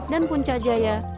dan puncak jaya